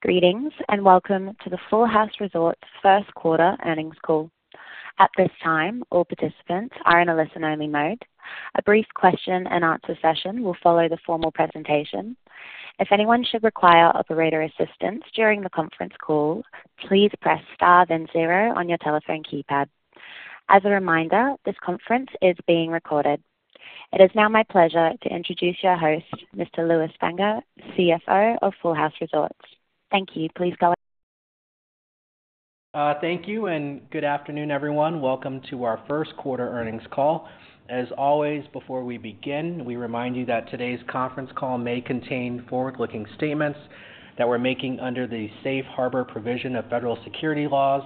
Greetings, and welcome to the Full House Resorts Q1 earnings call. At this time, all participants are in a listen-only mode. A brief question and answer session will follow the formal presentation. If anyone should require operator assistance during the conference call, please press star then zero on your telephone keypad. As a reminder, this conference is being recorded. It is now my pleasure to introduce your host, Mr. Lewis Fanger, CFO of Full House Resorts. Thank you. Please go ahead. Thank you, and good afternoon, everyone. Welcome to our Q1 earnings call. As always, before we begin, we remind you that today's conference call may contain forward-looking statements that we're making under the Safe Harbor provision of federal securities laws.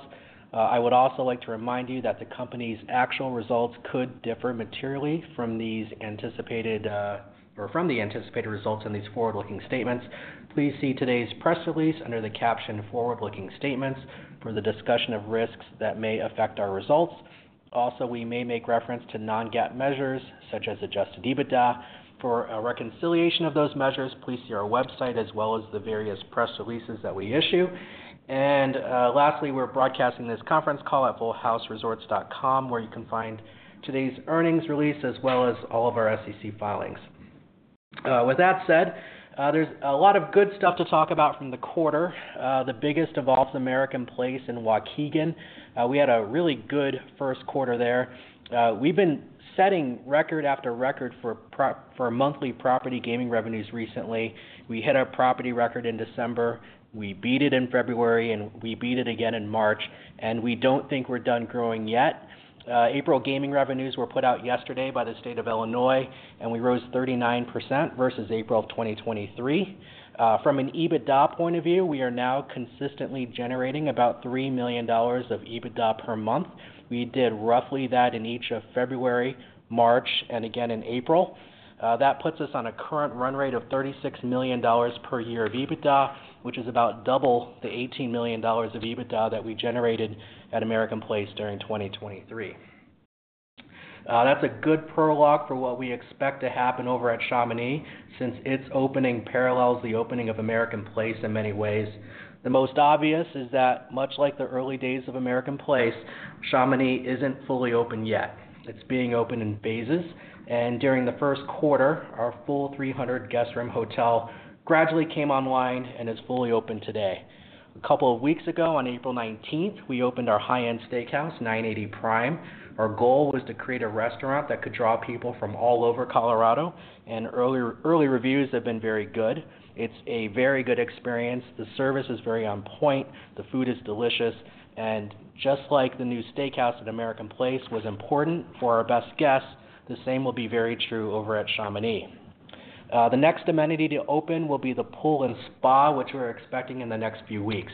I would also like to remind you that the company's actual results could differ materially from these anticipated, or from the anticipated results in these forward-looking statements. Please see today's press release under the caption Forward-looking Statements for the discussion of risks that may affect our results. Also, we may make reference to non-GAAP measures, such as adjusted EBITDA. For a reconciliation of those measures, please see our website as well as the various press releases that we issue. And, lastly, we're broadcasting this conference call at fullhouseresorts.com, where you can find today's earnings release, as well as all of our SEC filings. With that said, there's a lot of good stuff to talk about from the quarter. The biggest of all is American Place in Waukegan. We had a really good Q1 there. We've been setting record after record for monthly property gaming revenues recently. We hit our property record in December, we beat it in February, and we beat it again in March, and we don't think we're done growing yet. April gaming revenues were put out yesterday by the state of Illinois, and we rose 39% versus April of 2023. From an EBITDA point of view, we are now consistently generating about $3 million of EBITDA per month. We did roughly that in each of February, March, and again in April. That puts us on a current run rate of $36 million per year of EBITDA, which is about double the $18 million of EBITDA that we generated at American Place during 2023. That's a good prologue for what we expect to happen over at Chamonix, since its opening parallels the opening of American Place in many ways. The most obvious is that much like the early days of American Place, Chamonix isn't fully open yet. It's being opened in phases, and during the Q1, our full 300 guest room hotel gradually came online and is fully open today. A couple of weeks ago, on April 19th, we opened our high-end steakhouse, 980 Prime. Our goal was to create a restaurant that could draw people from all over Colorado, and early, early reviews have been very good. It's a very good experience. The service is very on point, the food is delicious, and just like the new steakhouse at American Place was important for our best guests, the same will be very true over at Chamonix. The next amenity to open will be the pool and spa, which we're expecting in the next few weeks.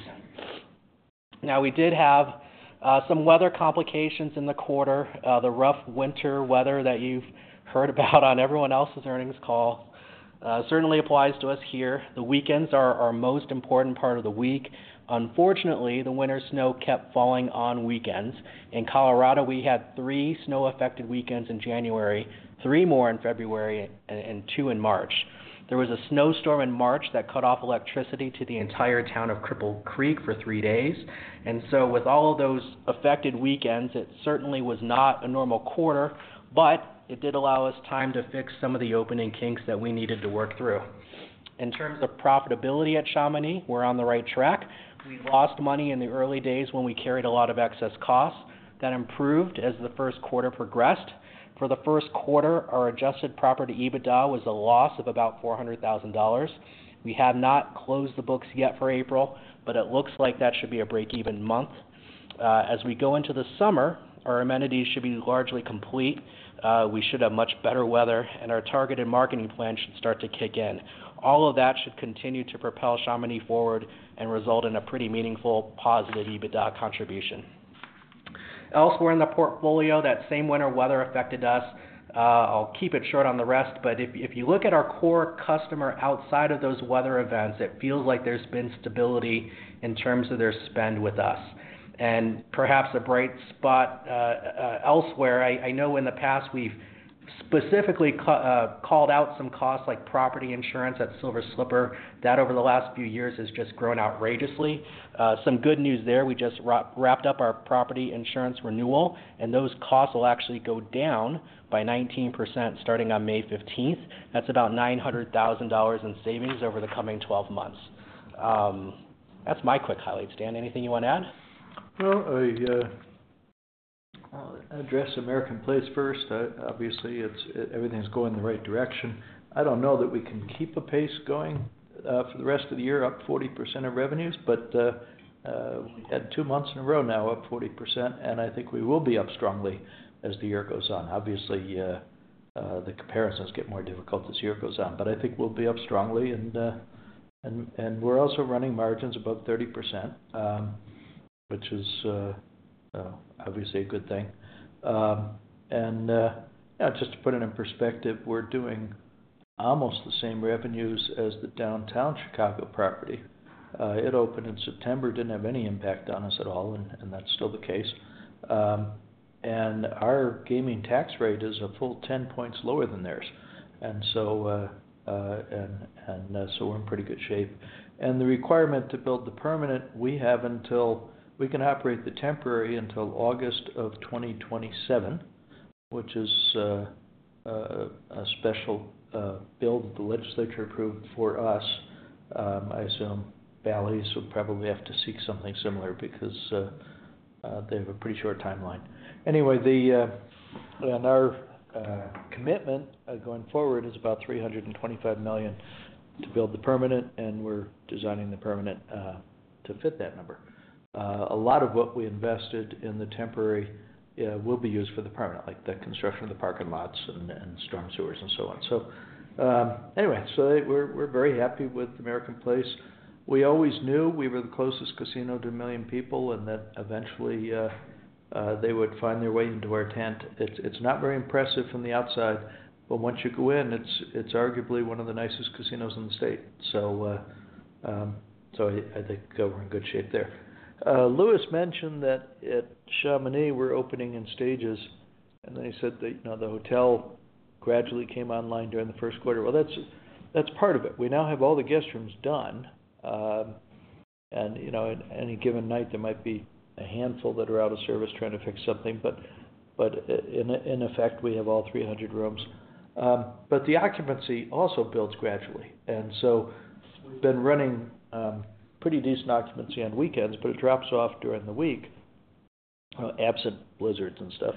Now, we did have some weather complications in the quarter. The rough winter weather that you've heard about on everyone else's earnings call certainly applies to us here. The weekends are our most important part of the week. Unfortunately, the winter snow kept falling on weekends. In Colorado, we had three snow-affected weekends in January, three more in February, and two in March. There was a snowstorm in March that cut off electricity to the entire town of Cripple Creek for three days. And so with all of those affected weekends, it certainly was not a normal quarter, but it did allow us time to fix some of the opening kinks that we needed to work through. In terms of profitability at Chamonix, we're on the right track. We lost money in the early days when we carried a lot of excess costs. That improved as the Q1 progressed. For the Q1, our adjusted property EBITDA was a loss of about $400,000. We have not closed the books yet for April, but it looks like that should be a break-even month. As we go into the summer, our amenities should be largely complete, we should have much better weather, and our targeted marketing plan should start to kick in. All of that should continue to propel Chamonix forward and result in a pretty meaningful positive EBITDA contribution. Elsewhere in the portfolio, that same winter weather affected us. I'll keep it short on the rest, but if you look at our core customer outside of those weather events, it feels like there's been stability in terms of their spend with us. And perhaps a bright spot elsewhere, I know in the past we've specifically called out some costs, like property insurance at Silver Slipper. That, over the last few years, has just grown outrageously. Some good news there, we just wrapped up our property insurance renewal, and those costs will actually go down by 19%, starting on May 15th. That's about $900,000 in savings over the coming 12 months. That's my quick highlights. Dan, anything you want to add? Well, I, I'll address American Place first. Obviously, everything's going in the right direction. I don't know that we can keep the pace going, for the rest of the year, up 40% of revenues, but, we had two months in a row now up 40%, and I think we will be up strongly as the year goes on. Obviously, the comparisons get more difficult as the year goes on, but I think we'll be up strongly. And we're also running margins above 30%, which is, obviously a good thing. And, just to put it in perspective, we're doing almost the same revenues as the downtown Chicago property. It opened in September, didn't have any impact on us at all, and that's still the case. Our gaming tax rate is a full 10 points lower than theirs. So we're in pretty good shape. The requirement to build the permanent, we have until we can operate the temporary until August of 2027, which is a special bill that the legislature approved for us. I assume Bally’s will probably have to seek something similar because they have a pretty short timeline. Anyway, our commitment going forward is about $325 million to build the permanent, and we're designing the permanent to fit that number. A lot of what we invested in the temporary will be used for the permanent, like the construction of the parking lots and storm sewers, and so on. Anyway, we're very happy with American Place. We always knew we were the closest casino to a million people, and that eventually they would find their way into our tent. It's not very impressive from the outside, but once you go in, it's arguably one of the nicest casinos in the state. So, I think that we're in good shape there. Lewis mentioned that at Chamonix, we're opening in stages, and they said that, you know, the hotel gradually came online during the Q1. Well, that's part of it. We now have all the guest rooms done, and, you know, in any given night, there might be a handful that are out of service trying to fix something, but in effect, we have all 300 rooms. But the occupancy also builds gradually, and so we've been running pretty decent occupancy on weekends, but it drops off during the week, absent blizzards and stuff.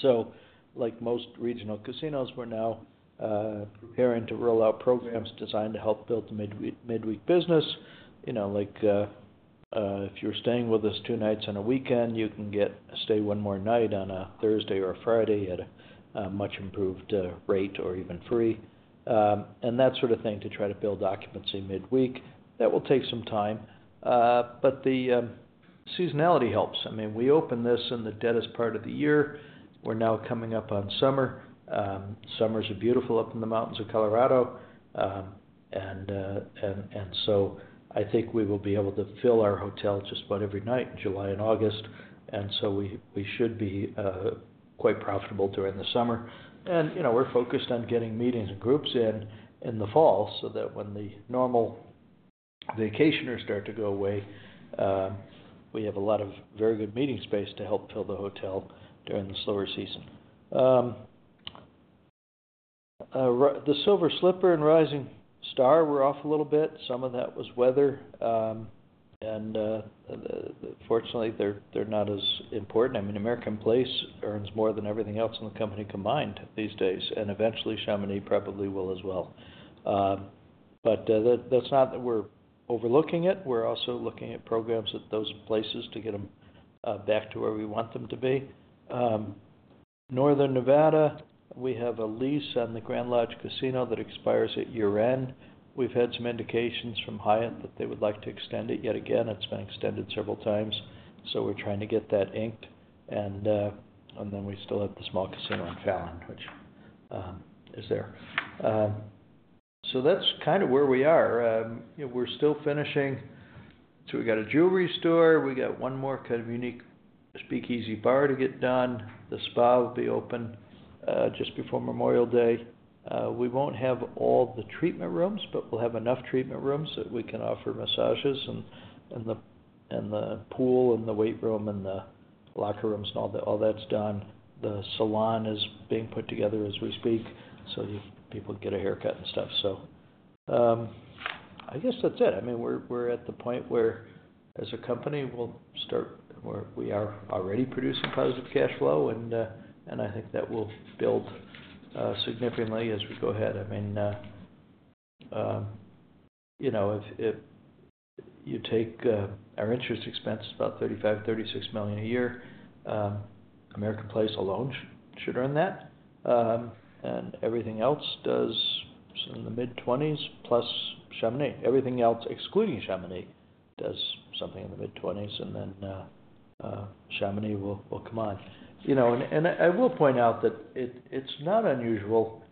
So like most regional casinos, we're now preparing to roll out programs designed to help build midweek business. You know, like, if you're staying with us two nights on a weekend, you can get to stay one more night on a Thursday or a Friday at a much improved rate, or even free. And that sort of thing to try to build occupancy midweek. That will take some time, but the seasonality helps. I mean, we opened this in the deadest part of the year. We're now coming up on summer. Summers are beautiful up in the mountains of Colorado. So I think we will be able to fill our hotel just about every night in July and August, and so we should be quite profitable during the summer. You know, we're focused on getting meetings and groups in the fall, so that when the normal vacationers start to go away, we have a lot of very good meeting space to help fill the hotel during the slower season. The Silver Slipper and Rising Star were off a little bit. Some of that was weather, and fortunately, they're not as important. I mean, American Place earns more than everything else in the company combined these days, and eventually, Chamonix probably will as well. But that's not that we're overlooking it, we're also looking at programs at those places to get them back to where we want them to be. Northern Nevada, we have a lease on the Grand Lodge Casino that expires at year-end. We've had some indications from Hyatt that they would like to extend it yet again. It's been extended several times, so we're trying to get that inked. And and then we still have the small casino in Fallon, which is there. So that's kind of where we are. We're still finishing... So we got a jewelry store. We got one more kind of unique speakeasy bar to get done. The spa will be open just before Memorial Day. We won't have all the treatment rooms, but we'll have enough treatment rooms that we can offer massages, and the pool and the weight room and the locker rooms, and all that's done. The salon is being put together as we speak, so people get a haircut and stuff. So, I guess that's it. I mean, we're at the point where, as a company, we are already producing positive cash flow, and I think that will build significantly as we go ahead. I mean, you know, if you take our interest expense, about $35-$36 million a year, American Place alone should earn that. And everything else does in the mid-20s, plus Chamonix. Everything else, excluding Chamonix, does something in the mid-twenties, and then, Chamonix will, will come on. You know, and, and I will point out that it, it's not unusual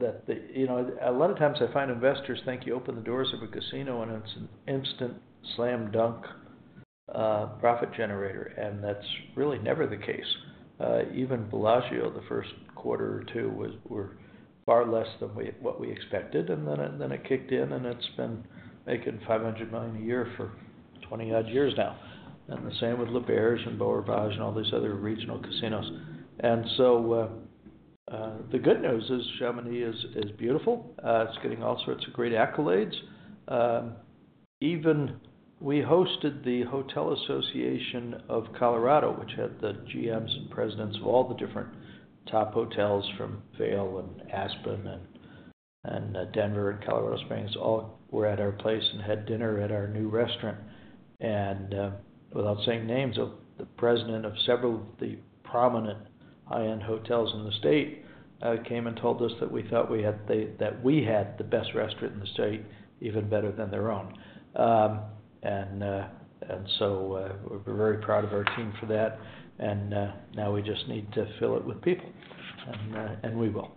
that the... You know, a lot of times I find investors think you open the doors of a casino, and it's an instant slam dunk, profit generator, and that's really never the case. Even Bellagio, the Q1 or two, was, were far less than we, what we expected, and then, and then it kicked in, and it's been making $500 million a year for 20 odd years now. And the same with L'Auberge and Beau Rivage and all these other regional casinos. And so, the good news is Chamonix is, is beautiful. It's getting all sorts of great accolades. Even we hosted the Hotel Association of Colorado, which had the GMs and presidents of all the different top hotels from Vail and Aspen and Denver and Colorado Springs, all were at our place and had dinner at our new restaurant. Without saying names, the president of several of the prominent high-end hotels in the state came and told us that we thought we had the, that we had the best restaurant in the state, even better than their own. So, we're very proud of our team for that, and we just need to fill it with people, and we will.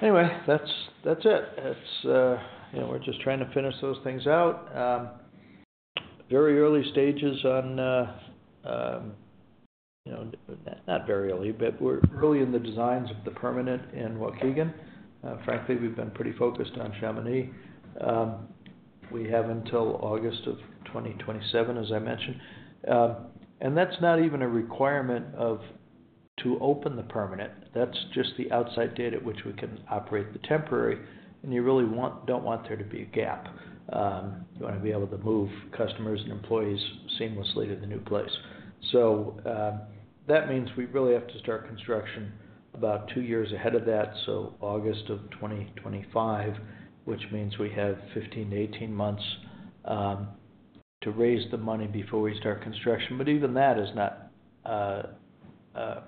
Anyway, that's it. It's, you know, we're just trying to finish those things out. Very early stages on, you know, not very early, but we're early in the designs of the permanent in Waukegan. Frankly, we've been pretty focused on Chamonix. We have until August of 2027, as I mentioned. That's not even a requirement to open the permanent. That's just the outside date at which we can operate the temporary, and you really don't want there to be a gap. You want to be able to move customers and employees seamlessly to the new place. So, that means we really have to start construction about two years ahead of that, so August of 2025, which means we have 15-18 months to raise the money before we start construction. But even that is not a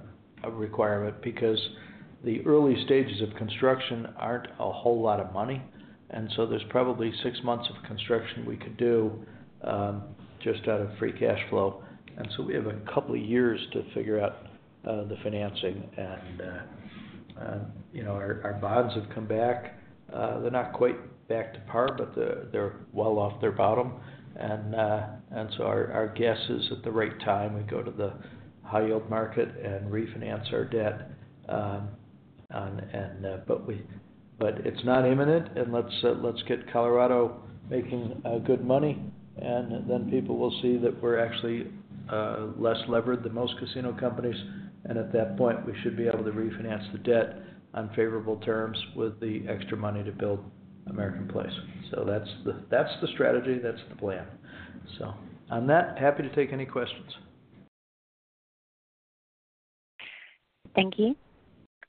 requirement because the early stages of construction aren't a whole lot of money, and so there's probably 6 months of construction we could do just out of free cash flow. And so we have a couple of years to figure out the financing, and, you know, our bonds have come back. They're not quite back to par, but they're well off their bottom. And so our guess is, at the right time, we go to the high-yield market and refinance our debt. But it's not imminent. And let's get Colorado making good money, and then people will see that we're actually less levered than most casino companies. At that point, we should be able to refinance the debt on favorable terms with the extra money to build American Place. So that's the, that's the strategy, that's the plan. So on that, happy to take any questions. Thank you.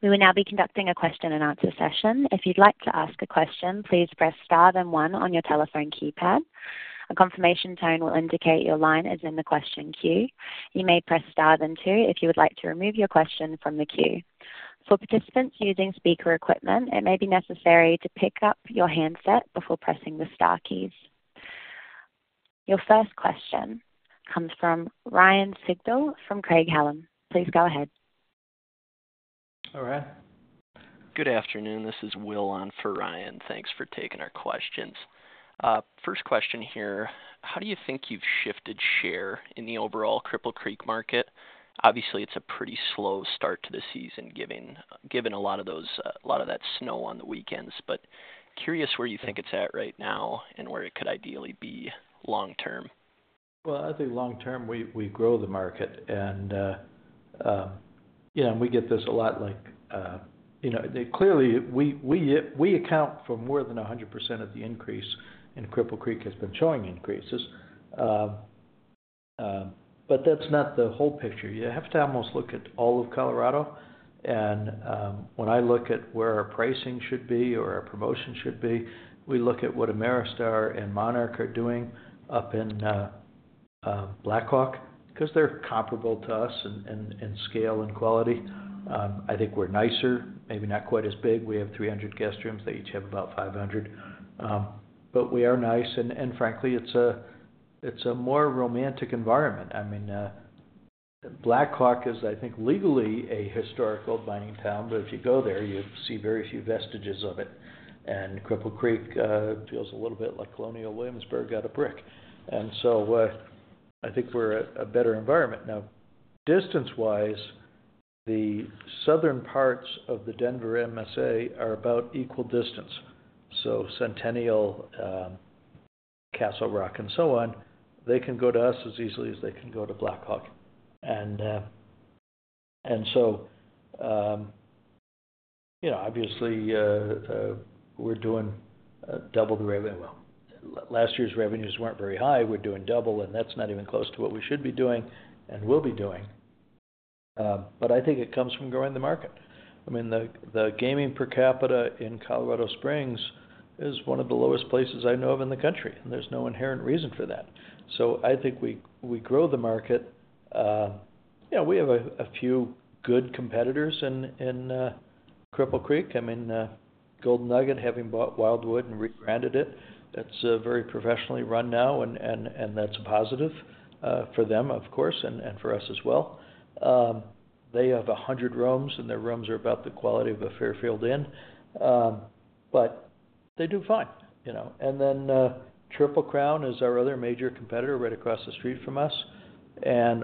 We will now be conducting a question-and-answer session. If you'd like to ask a question, please press Star, then one on your telephone keypad. A confirmation tone will indicate your line is in the question queue. You may press Star then two, if you would like to remove your question from the queue. For participants using speaker equipment, it may be necessary to pick up your handset before pressing the star keys. Your first question comes from Ryan Sigdahl from Craig-Hallum Capital Group. Please go ahead. Hi, Ryan. Good afternoon. This is Will on for Ryan. Thanks for taking our questions. First question here: How do you think you've shifted share in the overall Cripple Creek market? Obviously, it's a pretty slow start to the season, given a lot of that snow on the weekends. But curious where you think it's at right now and where it could ideally be long term? Well, I think long term, we grow the market and, you know, and we get this a lot like, you know, clearly, we account for more than 100% of the increase, and Cripple Creek has been showing increases. But that's not the whole picture. You have to almost look at all of Colorado. And when I look at where our pricing should be or our promotion should be, we look at what Ameristar and Monarch are doing up in Black Hawk, 'cause they're comparable to us in scale and quality. I think we're nicer, maybe not quite as big. We have 300 guest rooms. They each have about 500. But we are nice, and frankly, it's a more romantic environment. I mean, Black Hawk is, I think, legally a historical mining town, but if you go there, you see very few vestiges of it. And Cripple Creek feels a little bit like Colonial Williamsburg out of brick. And so, I think we're a, a better environment. Now, distance-wise, the southern parts of the Denver MSA are about equal distance. So Centennial, Castle Rock, and so on, they can go to us as easily as they can go to Black Hawk. And, and so, you know, obviously, we're doing double the revenue. Well, last year's revenues weren't very high. We're doing double, and that's not even close to what we should be doing and will be doing. But I think it comes from growing the market. I mean, the gaming per capita in Colorado Springs is one of the lowest places I know of in the country, and there's no inherent reason for that. So I think we grow the market. Yeah, we have a few good competitors in Cripple Creek. I mean, Golden Nugget, having bought Wildwood and rebranded it, it's very professionally run now, and that's a positive for them, of course, and for us as well. They have 100 rooms, and their rooms are about the quality of a Fairfield Inn, but they do fine, you know. And then, Triple Crown is our other major competitor, right across the street from us.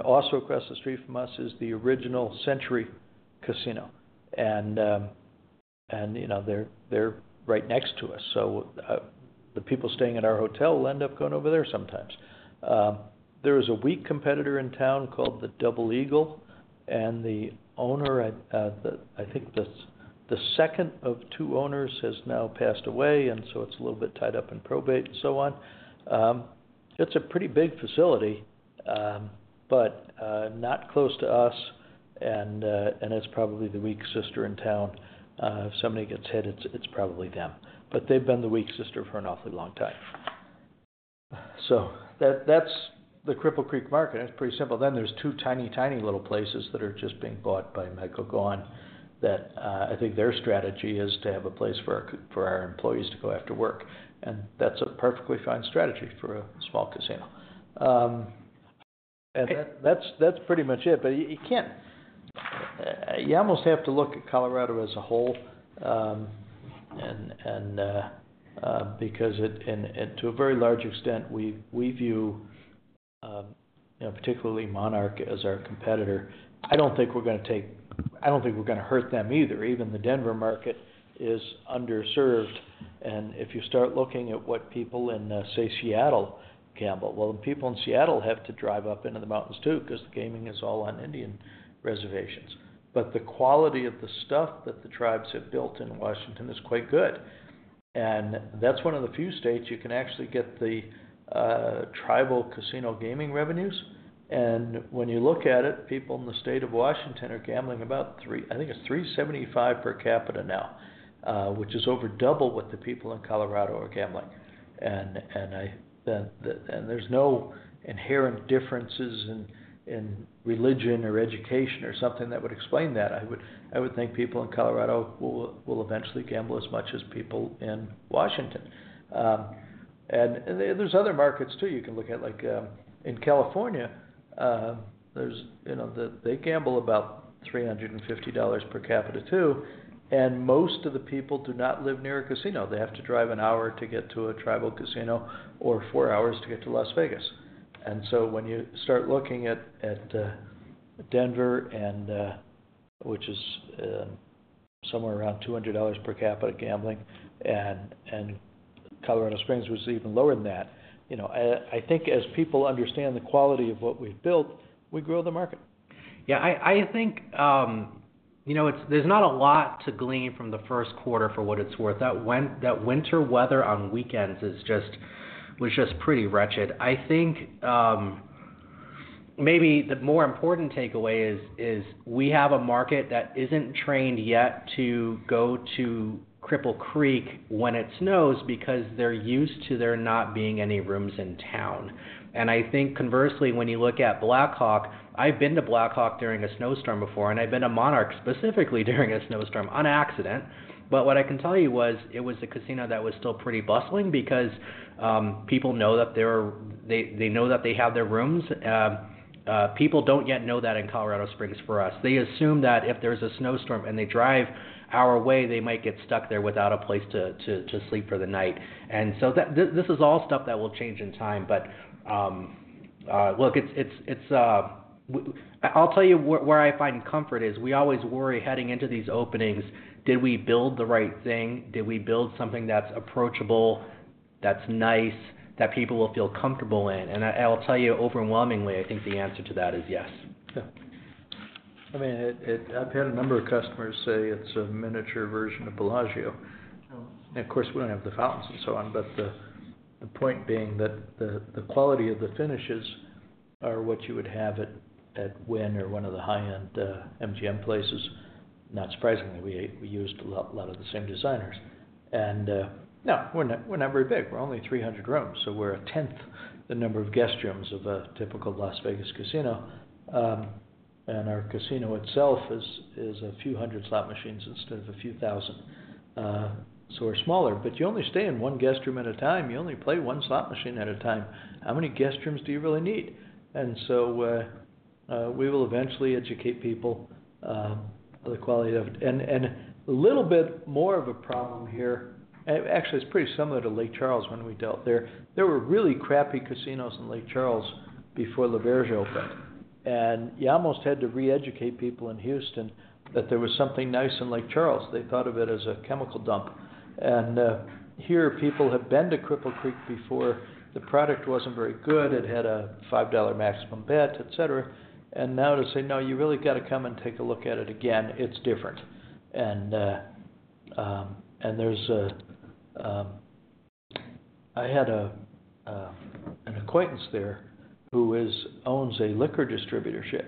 Also across the street from us is the original Century Casino, and you know, they're right next to us, so the people staying at our hotel will end up going over there sometimes. There is a weak competitor in town called the Double Eagle, and the owner, I think the second of two owners has now passed away, and so it's a little bit tied up in probate and so on. It's a pretty big facility, but not close to us, and it's probably the weak sister in town. If somebody gets hit, it's probably them, but they've been the weak sister for an awfully long time. So that's the Cripple Creek market, and it's pretty simple. Then there's two tiny, tiny little places that are just being bought by Michael Gaughan that I think their strategy is to have a place for our employees to go after work, and that's a perfectly fine strategy for a small casino. And that's pretty much it. But you can't—you almost have to look at Colorado as a whole, and to a very large extent, we view, you know, particularly Monarch as our competitor. I don't think we're gonna take—I don't think we're gonna hurt them either. Even the Denver market is underserved, and if you start looking at what people in, say, Seattle gamble, well, the people in Seattle have to drive up into the mountains, too, because the gaming is all on Indian reservations. But the quality of the stuff that the tribes have built in Washington is quite good, and that's one of the few states you can actually get the tribal casino gaming revenues. And when you look at it, people in the state of Washington are gambling about, I think it's $375 per capita now, which is over double what the people in Colorado are gambling. And there's no inherent differences in religion or education or something that would explain that. I would think people in Colorado will eventually gamble as much as people in Washington. And there's other markets, too, you can look at, like, in California, there's, you know, they gamble about $350 per capita, too, and most of the people do not live near a casino. They have to drive an hour to get to a tribal casino or four hours to get to Las Vegas. So when you start looking at Denver, which is somewhere around $200 per capita gambling, and Colorado Springs was even lower than that, you know, I think as people understand the quality of what we've built, we grow the market. Yeah, I think, you know, it's—there's not a lot to glean from the Q1 for what it's worth. That winter weather on weekends is just, was just pretty wretched. I think, maybe the more important takeaway is we have a market that isn't trained yet to go to Cripple Creek when it snows, because they're used to there not being any rooms in town. And I think conversely, when you look at Black Hawk, I've been to Black Hawk during a snowstorm before, and I've been to Monarch specifically during a snowstorm on accident. But what I can tell you was, it was a casino that was still pretty bustling because people know that they know that they have their rooms. People don't yet know that in Colorado Springs for us. They assume that if there's a snowstorm and they drive our way, they might get stuck there without a place to sleep for the night. And so this is all stuff that will change in time. But look, it's... I'll tell you where I find comfort is: We always worry, heading into these openings, did we build the right thing? Did we build something that's approachable, that's nice, that people will feel comfortable in? And I, I'll tell you overwhelmingly, I think the answer to that is yes. Yeah. I mean, I've had a number of customers say it's a miniature version of Bellagio. And, of course, we don't have the fountains and so on. But the point being that the quality of the finishes are what you would have at Wynn or one of the high-end MGM places. Not surprisingly, we used a lot of the same designers. And no, we're not very big. We're only 300 rooms, so we're a tenth the number of guest rooms of a typical Las Vegas casino. And our casino itself is a few hundred slot machines instead of a few thousand. So we're smaller, but you only stay in one guest room at a time. You only play one slot machine at a time. How many guest rooms do you really need? And so, we will eventually educate people on the quality of it. And a little bit more of a problem here, and actually, it's pretty similar to Lake Charles when we dealt there. There were really crappy casinos in Lake Charles before L'Auberge opened, and you almost had to reeducate people in Houston that there was something nice in Lake Charles. They thought of it as a chemical dump. And here, people have been to Cripple Creek before. The product wasn't very good. It had a $5 maximum bet, et cetera. And now to say, "No, you really got to come and take a look at it again, it's different." And and there's a, I had an acquaintance there who owns a liquor distributorship,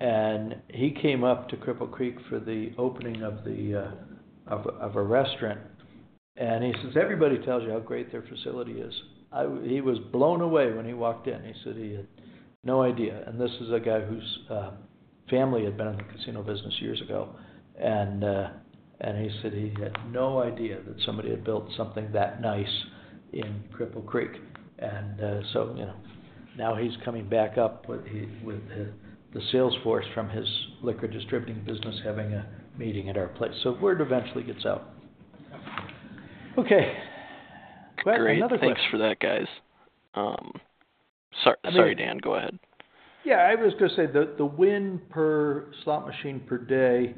and he came up to Cripple Creek for the opening of a restaurant, and he says, "Everybody tells you how great their facility is." He was blown away when he walked in. He said he had no idea, and this is a guy whose family had been in the casino business years ago. And he said he had no idea that somebody had built something that nice in Cripple Creek. And so, you know, now he's coming back up with the sales force from his liquor distributing business, having a meeting at our place. So word eventually gets out. Okay, well, another question. Great. Thanks for that, guys. Sorry, Daniel, go ahead. Yeah, I was gonna say, the win per slot machine per day,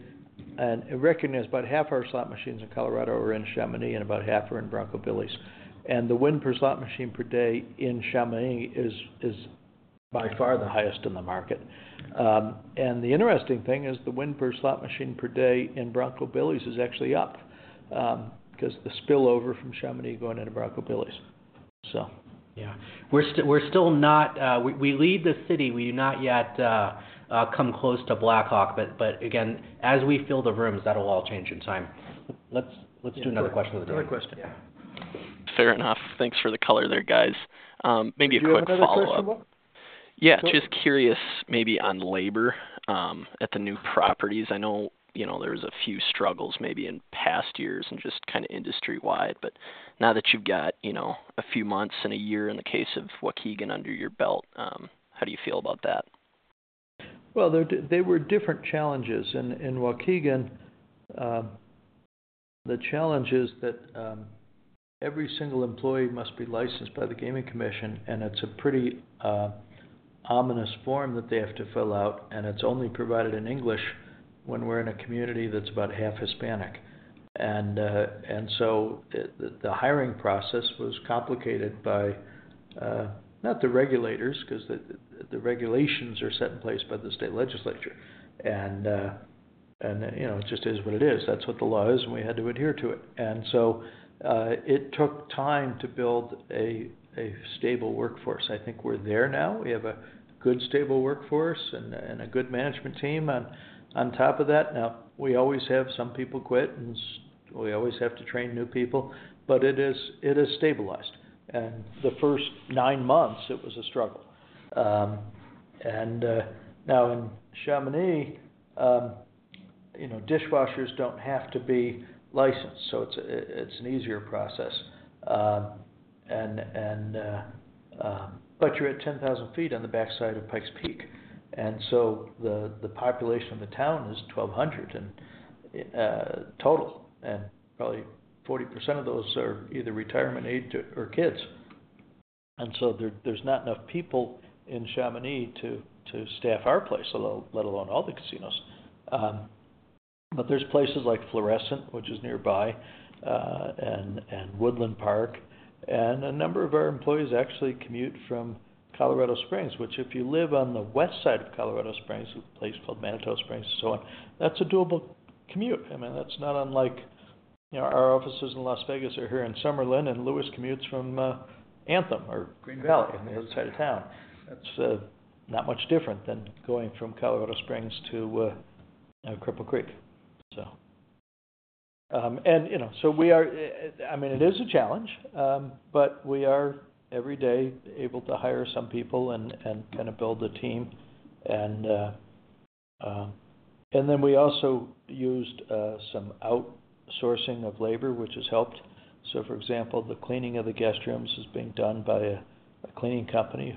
and I recognize about half our slot machines in Colorado are in Chamonix and about half are in Bronco Billy's. And the win per slot machine per day in Chamonix is by far the highest in the market. And the interesting thing is the win per slot machine per day in Bronco Billy's is actually up, because the spillover from Chamonix going into Bronco Billy's, so. Yeah. We're still not. We lead the city. We do not yet come close to Black Hawk, but again, as we fill the rooms, that'll all change in time. Let's do another question with another- Another question, yeah. Fair enough. Thanks for the color there, guys. Maybe a quick follow-up. You have another question, Buck? Yeah, just curious, maybe on labor, at the new properties. I know, you know, there's a few struggles maybe in past years and just kind of industry-wide, but now that you've got, you know, a few months and a year in the case of Waukegan under your belt, how do you feel about that? ...Well, they were different challenges. In Waukegan, the challenge is that every single employee must be licensed by the Gaming Commission, and it's a pretty ominous form that they have to fill out, and it's only provided in English when we're in a community that's about half Hispanic. And so the hiring process was complicated by not the regulators, 'cause the regulations are set in place by the state legislature. And, you know, it just is what it is. That's what the law is, and we had to adhere to it. And so it took time to build a stable workforce. I think we're there now. We have a good, stable workforce and a good management team on top of that. Now, we always have some people quit, and we always have to train new people, but it is, it is stabilized. And the first nine months, it was a struggle. And now in Chamonix, you know, dishwashers don't have to be licensed, so it's an easier process. And but you're at 10,000 feet on the backside of Pikes Peak, and so the population of the town is 1,200 total, and probably 40% of those are either retirement age or kids. And so there, there's not enough people in Chamonix to staff our place, although let alone all the casinos. But there's places like Florissant, which is nearby, and Woodland Park, and a number of our employees actually commute from Colorado Springs, which if you live on the west side of Colorado Springs, a place called Manitou Springs and so on, that's a doable commute. I mean, that's not unlike, you know, our offices in Las Vegas are here in Summerlin, and Lewis commutes from Anthem or Green Valley on the other side of town. That's not much different than going from Colorado Springs to Cripple Creek, so. And, you know, so we are... I mean, it is a challenge, but we are every day able to hire some people and kind of build a team. And then we also used some outsourcing of labor, which has helped. So for example, the cleaning of the guest rooms is being done by a cleaning company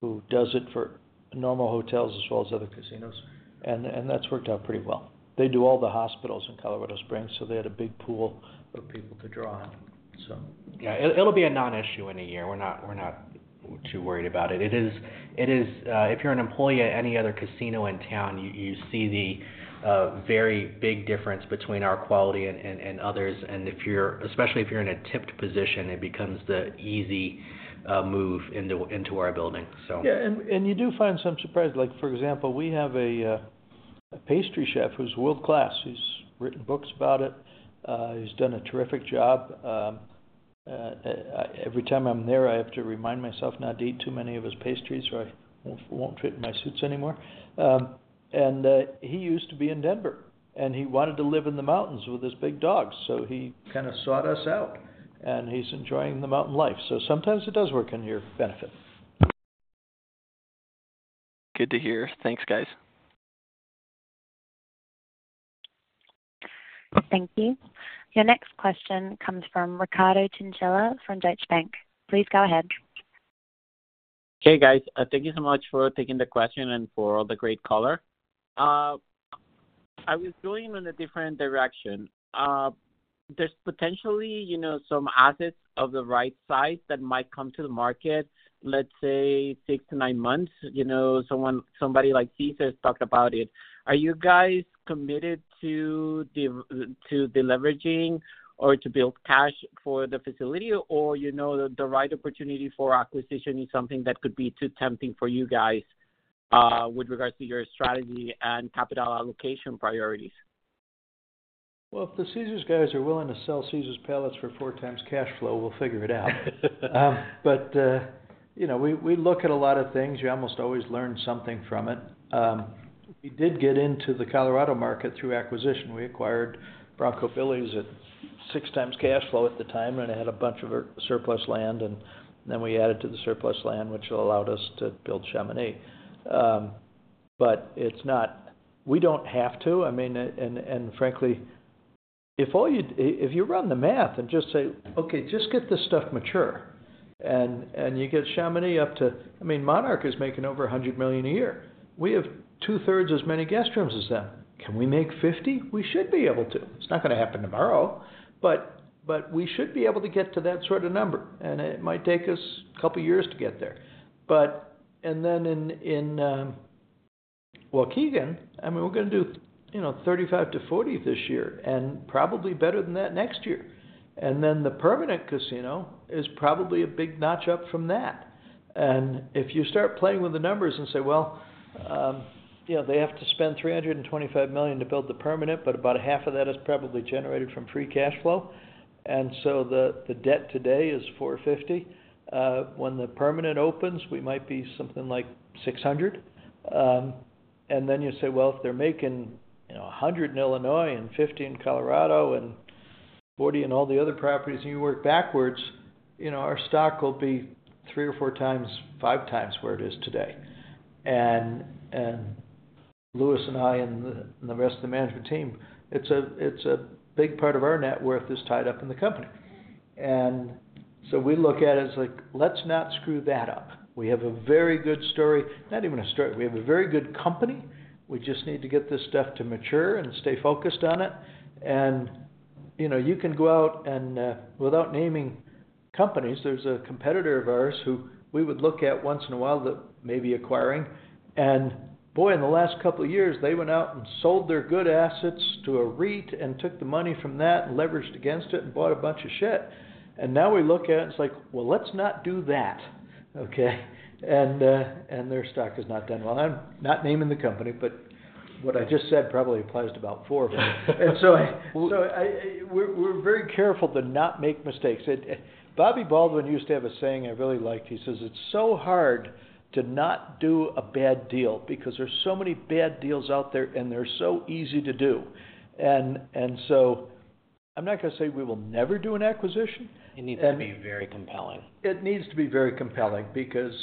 who does it for normal hotels as well as other casinos, and that's worked out pretty well. They do all the hospitals in Colorado Springs, so they had a big pool of people to draw on, so. Yeah, it'll be a non-issue in a year. We're not too worried about it. It is if you're an employee at any other casino in town, you see the very big difference between our quality and others, and if you're especially if you're in a tipped position, it becomes the easy move into our building, so. Yeah, and you do find some surprises. Like, for example, we have a pastry chef who's world-class. He's written books about it. He's done a terrific job. Every time I'm there, I have to remind myself not to eat too many of his pastries, or I won't fit in my suits anymore. He used to be in Denver, and he wanted to live in the mountains with his big dogs, so he kind of sought us out, and he's enjoying the mountain life. So sometimes it does work in your benefit. Good to hear. Thanks, guys. Thank you. Your next question comes from Ricardo Chinchilla from Deutsche Bank. Please go ahead. Hey, guys. Thank you so much for taking the question and for all the great color. I was going in a different direction. There's potentially, you know, some assets of the right size that might come to the market, let's say, 6-9 months. You know, someone—somebody like Caesars talked about it. Are you guys committed to deleveraging or to build cash for the facility? Or, you know, the right opportunity for acquisition is something that could be too tempting for you guys, uh, with regards to your strategy and capital allocation priorities? Well, if the Caesars guys are willing to sell Caesars Palace for four times cash flow, we'll figure it out. But, you know, we look at a lot of things. You almost always learn something from it. We did get into the Colorado market through acquisition. We acquired Bronco Billy's at six times cash flow at the time, and it had a bunch of surplus land, and then we added to the surplus land, which allowed us to build Chamonix. But it's not. We don't have to. I mean, and frankly, if you run the math and just say, "Okay, just get this stuff mature," and you get Chamonix up to... I mean, Monarch is making over $100 million a year. We have 2/3 as many guest rooms as them. Can we make $50 million? We should be able to. It's not gonna happen tomorrow, but we should be able to get to that sort of number, and it might take us a couple of years to get there. But then in Waukegan, I mean, we're gonna do, you know, $35 million-$40 million this year and probably better than that next year. And then the Permanent Casino is probably a big notch up from that. And if you start playing with the numbers and say, well, you know, they have to spend $325 million to build the Permanent, but about half of that is probably generated from Free Cash Flow. And so the debt today is $450 million. When the Permanent opens, we might be something like $600 million. and then you say, well, if they're making, you know, $100 in Illinois and $50 in Colorado and $40 in all the other properties, and you work backwards, you know, our stock will be 3 or 4 times, 5 times where it is today. And Lewis and I and the rest of the management team, it's a big part of our net worth is tied up in the company. So we look at it as like, let's not screw that up. We have a very good story, not even a story. We have a very good company. We just need to get this stuff to mature and stay focused on it. And, you know, you can go out and without naming companies, there's a competitor of ours who we would look at once in a while that may be acquiring. And boy, in the last couple of years, they went out and sold their good assets to a REIT and took the money from that and leveraged against it and bought a bunch of shit. And now we look at it, and it's like, well, let's not do that, okay? And their stock has not done well. I'm not naming the company, but what I just said probably applies to about four of them. And so we're very careful to not make mistakes. Bobby Baldwin used to have a saying I really liked. He says, "It's so hard to not do a bad deal because there's so many bad deals out there, and they're so easy to do." And so I'm not going to say we will never do an acquisition- It needs to be very compelling. It needs to be very compelling because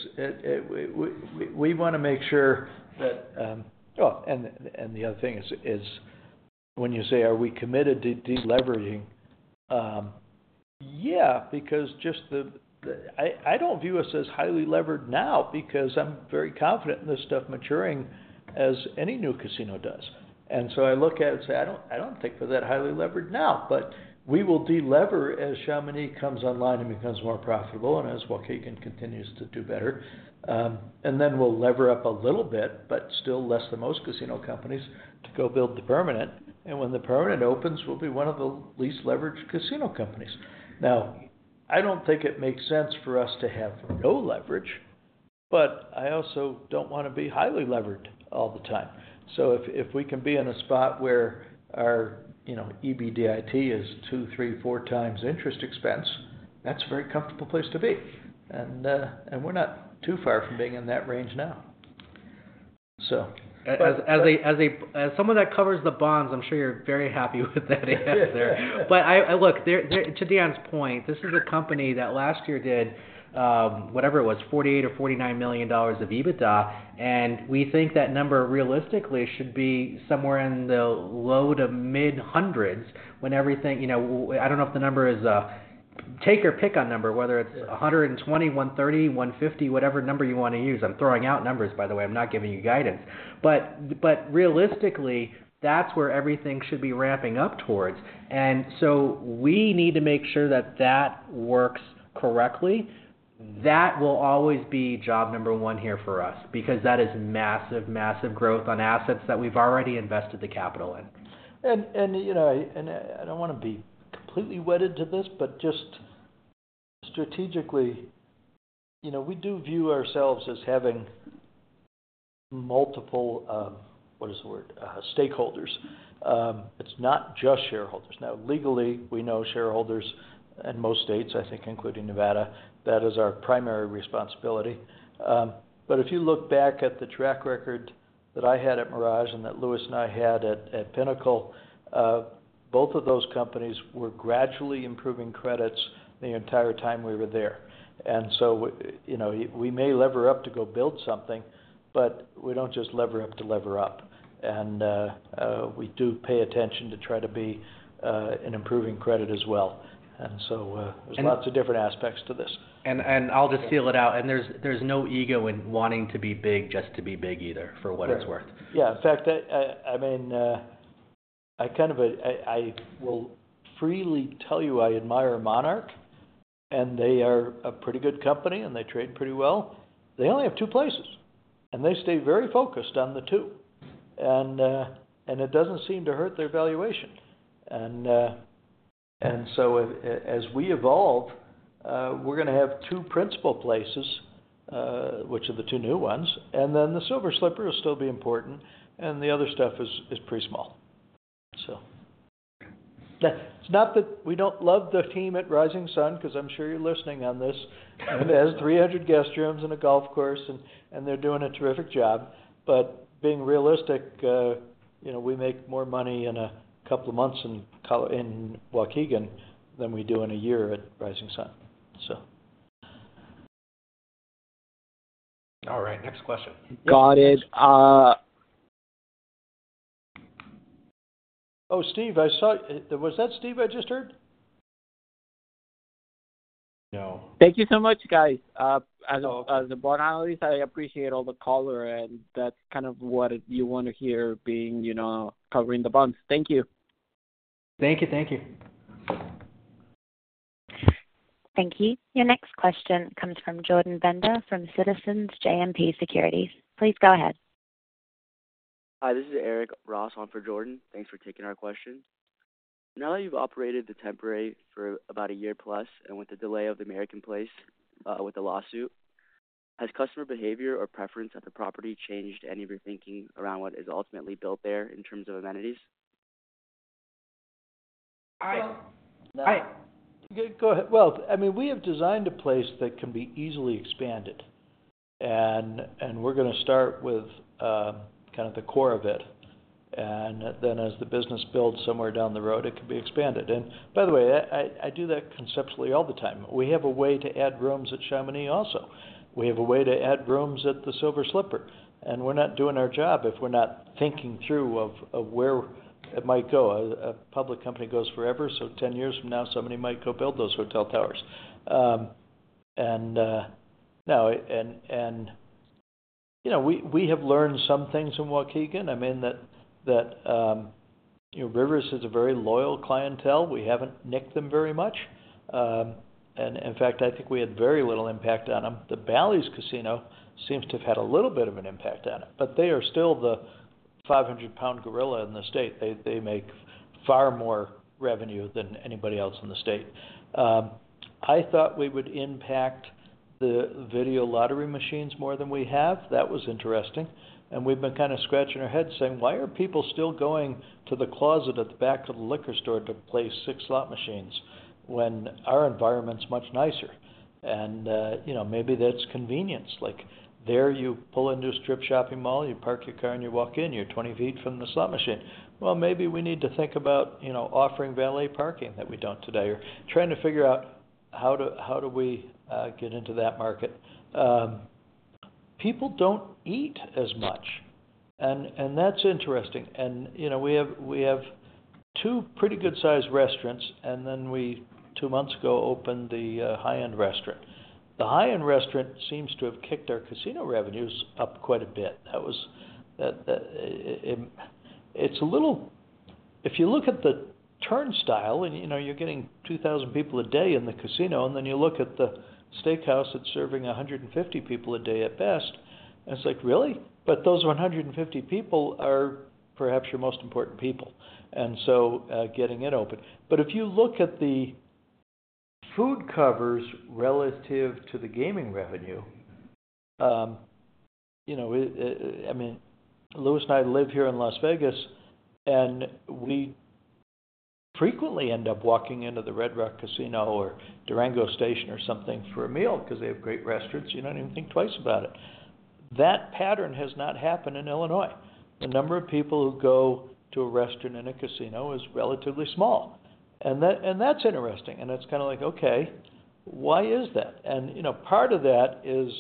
we want to make sure that. Oh, and the other thing is, when you say, are we committed to deleveraging? Yeah, because just the I don't view us as highly levered now, because I'm very confident in this stuff maturing as any new casino does. And so I look at it and say, I don't think we're that highly levered now, but we will deliver as Chamonix comes online and becomes more profitable and as Waukegan continues to do better. And then we'll lever up a little bit, but still less than most casino companies, to go build The Permanent. And when The Permanent opens, we'll be one of the least leveraged casino companies. Now, I don't think it makes sense for us to have no leverage, but I also don't want to be highly levered all the time. So if we can be in a spot where our, you know, EBITDA is 2, 3, 4 times interest expense, that's a very comfortable place to be. And, and we're not too far from being in that range now, so- As someone that covers the bonds, I'm sure you're very happy with that answer there. But look, to Dan's point, this is a company that last year did whatever it was, $48 million or $49 million of EBITDA, and we think that number realistically should be somewhere in the low- to mid-hundreds when everything... You know, I don't know if the number is, take your pick on number, whether it's 120, 130, 150, whatever number you want to use. I'm throwing out numbers, by the way. I'm not giving you guidance. But realistically, that's where everything should be ramping up towards. And so we need to make sure that that works correctly. That will always be job number one here for us, because that is massive, massive growth on assets that we've already invested the capital in. You know, I don't want to be completely wedded to this, but just strategically, you know, we do view ourselves as having multiple, what is the word? Stakeholders. It's not just shareholders. Now, legally, we know shareholders in most states, I think, including Nevada, that is our primary responsibility. But if you look back at the track record that I had at Mirage and that Lewis and I had at Pinnacle, both of those companies were gradually improving credits the entire time we were there. And so, you know, we may lever up to go build something, but we don't just lever up to lever up. And, we do pay attention to try to be an improving credit as well. And so, there's lots of different aspects to this. I'll just spell it out, and there's no ego in wanting to be big, just to be big either, for what it's worth. Yeah. In fact, I mean, I kind of will freely tell you I admire Monarch, and they are a pretty good company, and they trade pretty well. They only have two places, and they stay very focused on the two. And it doesn't seem to hurt their valuation. And so as we evolve, we're going to have two principal places, which are the two new ones, and then the Silver Slipper will still be important, and the other stuff is pretty small. So it's not that we don't love the team at Rising Sun, because I'm sure you're listening on this. It has 300 guest rooms and a golf course, and they're doing a terrific job. But being realistic, you know, we make more money in a couple of months in Waukegan than we do in a year at Rising Sun, so. All right, next question. Got it. Oh, Steve, I saw, was that Steve registered? No. Thank you so much, guys. As a bond analyst, I appreciate all the color, and that's kind of what you want to hear being, you know, covering the bonds. Thank you. Thank you. Thank you. Thank you. Your next question comes from Jordan Bender from Citizens JMP Securities. Please go ahead. Hi, this is Eric Ross on for Jordan. Thanks for taking our question. Now that you've operated the Temporary for about a year plus, and with the delay of the American Place, with the lawsuit, has customer behavior or preference at the property changed any of your thinking around what is ultimately built there in terms of amenities? I- I- Well, I mean, we have designed a place that can be easily expanded, and we're going to start with kind of the core of it, and then as the business builds somewhere down the road, it can be expanded. And by the way, I do that conceptually all the time. We have a way to add rooms at Chamonix also. We have a way to add rooms at the Silver Slipper, and we're not doing our job if we're not thinking through where it might go. A public company goes forever, so 10 years from now, somebody might go build those hotel towers. You know, we have learned some things in Waukegan. I mean, you know, Rivers is a very loyal clientele. We haven't nicked them very much. And in fact, I think we had very little impact on them. The Bally's Casino seems to have had a little bit of an impact on it, but they are still the 500-pound gorilla in the state. They, they make far more revenue than anybody else in the state. I thought we would impact the video lottery machines more than we have. That was interesting, and we've been kinda scratching our heads saying: Why are people still going to the closet at the back of the liquor store to play 6 slot machines when our environment's much nicer? And, you know, maybe that's convenience. Like, there, you pull into a strip shopping mall, you park your car, and you walk in, you're 20 ft from the slot machine. Well, maybe we need to think about, you know, offering valet parking that we don't today, or trying to figure out how do, how do we get into that market. People don't eat as much, and that's interesting. And, you know, we have, we have two pretty good-sized restaurants, and then we, two months ago, opened the high-end restaurant. The high-end restaurant seems to have kicked our casino revenues up quite a bit. That was, it, it's a little... If you look at the turnstile and, you know, you're getting 2,000 people a day in the casino, and then you look at the steakhouse that's serving 150 people a day at best, and it's like, "Really?" But those 150 people are perhaps your most important people, and so, getting it open. But if you look at the food covers relative to the gaming revenue, you know, I mean, Lewis and I live here in Las Vegas, and we frequently end up walking into the Red Rock Casino or Durango Station or something for a meal because they have great restaurants. You don't even think twice about it. That pattern has not happened in Illinois. The number of people who go to a restaurant in a casino is relatively small, and that's interesting. And it's kinda like, okay, why is that? And, you know, part of that is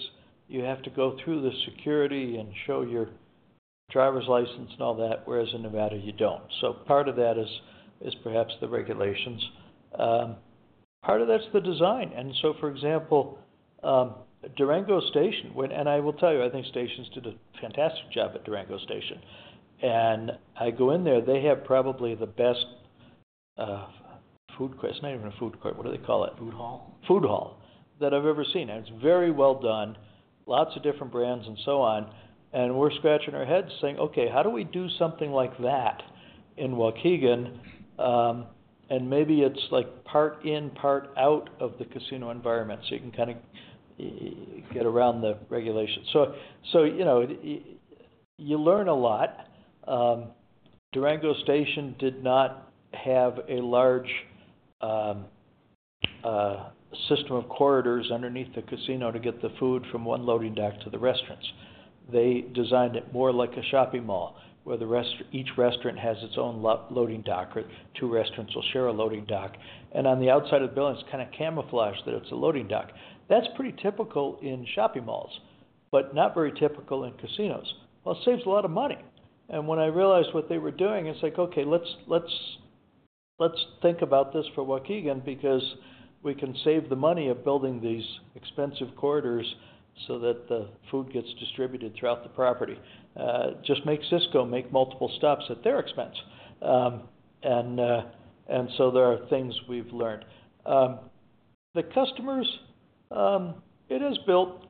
you have to go through the security and show your driver's license and all that, whereas in Nevada, you don't. So part of that is perhaps the regulations. Part of that's the design. For example, Durango Station, and I will tell you, I think Stations did a fantastic job at Durango Station. I go in there, they have probably the best food court. It's not even a food court. What do they call it? Food hall? Food hall that I've ever seen. And it's very well done, lots of different brands and so on. And we're scratching our heads saying, "Okay, how do we do something like that in Waukegan?" And maybe it's like part in, part out of the casino environment, so you can kinda get around the regulations. So, you know, you learn a lot. Durango Station did not have a large system of corridors underneath the casino to get the food from one loading dock to the restaurants. They designed it more like a shopping mall, where each restaurant has its own loading dock, or two restaurants will share a loading dock. And on the outside of the building, it's kinda camouflaged that it's a loading dock. That's pretty typical in shopping malls, but not very typical in casinos. Well, it saves a lot of money. And when I realized what they were doing, it's like, okay, let's, let's, let's think about this for Waukegan because we can save the money of building these expensive corridors so that the food gets distributed throughout the property. Just make Sysco make multiple stops at their expense. And so there are things we've learned. The customers, it is built...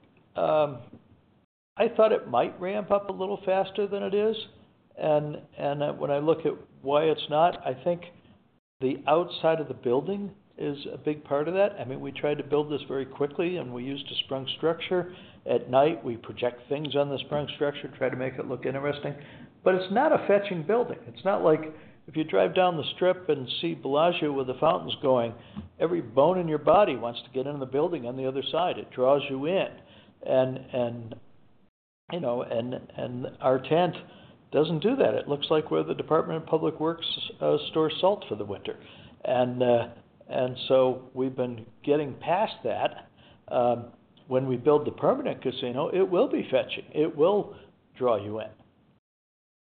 I thought it might ramp up a little faster than it is, and, and, when I look at why it's not, I think the outside of the building is a big part of that. I mean, we tried to build this very quickly, and we used a Sprung structure. At night, we project things on the Sprung structure, try to make it look interesting, but it's not a fetching building. It's not like if you drive down the strip and see Bellagio with the fountains going, every bone in your body wants to get in the building on the other side. It draws you in. And, you know, our tent doesn't do that. It looks like where the Department of Public Works store salt for the winter. And so we've been getting past that. When we build the permanent casino, it will be fetching, it will draw you in.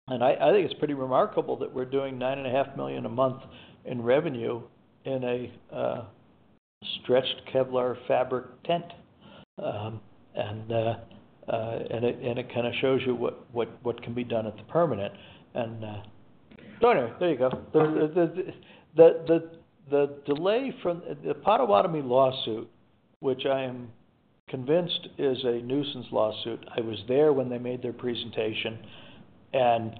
And I think it's pretty remarkable that we're doing $9.5 million a month in revenue in a stretched Kevlar fabric tent. And it kinda shows you what can be done at the permanent. And so anyway, there you go. The delay from the Potawatomi lawsuit, which I am convinced is a nuisance lawsuit. I was there when they made their presentation, and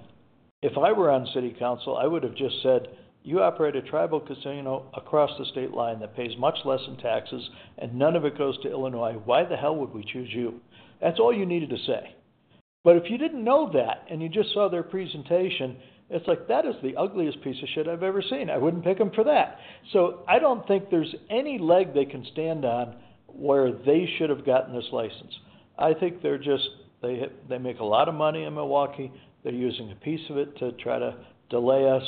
if I were on city council, I would have just said, "You operate a tribal casino across the state line that pays much less in taxes, and none of it goes to Illinois. Why the hell would we choose you?" That's all you needed to say. But if you didn't know that and you just saw their presentation, it's like, that is the ugliest piece of shit I've ever seen. I wouldn't pick them for that. So I don't think there's any leg they can stand on where they should have gotten this license. I think they're just. They make a lot of money in Milwaukee. They're using a piece of it to try to delay us.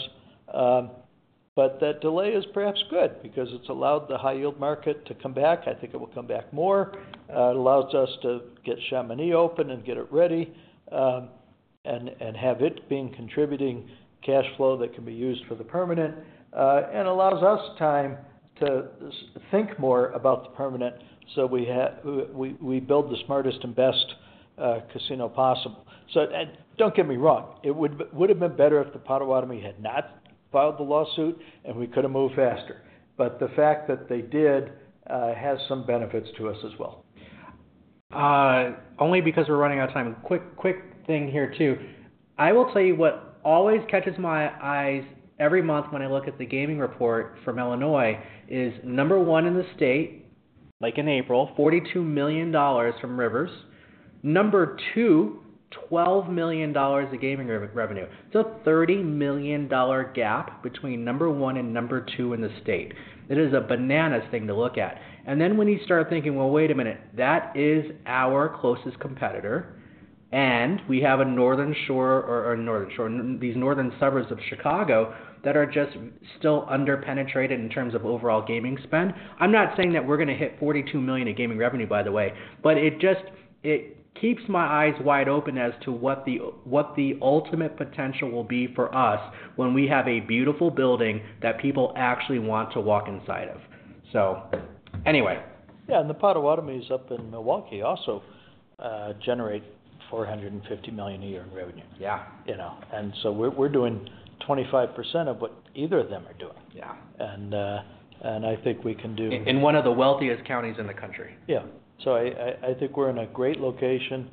But that delay is perhaps good because it's allowed the high-yield market to come back. I think it will come back more. It allows us to get Chamonix open and get it ready. And have it being contributing cash flow that can be used for the permanent, and allows us time to think more about the permanent, so we build the smartest and best casino possible. So, and don't get me wrong, it would've been better if the Potawatomi had not filed the lawsuit and we could have moved faster. But the fact that they did has some benefits to us as well. Only because we're running out of time. Quick, quick thing here, too. I will tell you what always catches my eyes every month when I look at the gaming report from Illinois, is number one in the state, like in April, $42 million from Rivers. Number two, $12 million of gaming revenue. It's a $30 million gap between number one and number two in the state. It is a bananas thing to look at. And then when you start thinking, well, wait a minute, that is our closest competitor, and we have a northern shore, these northern suburbs of Chicago that are just still under-penetrated in terms of overall gaming spend. I'm not saying that we're gonna hit $42 million in gaming revenue, by the way, but it just... It keeps my eyes wide open as to what the ultimate potential will be for us when we have a beautiful building that people actually want to walk inside of. So anyway. Yeah, and the Potawatomi is up in Milwaukee also generate $450 million a year in revenue. Yeah. You know, and so we're doing 25% of what either of them are doing. Yeah. I think we can do- In one of the wealthiest counties in the country. Yeah. So I think we're in a great location,